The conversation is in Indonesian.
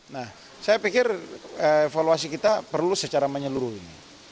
nah saya pikir evaluasi kita perlu secara menyeluruh ini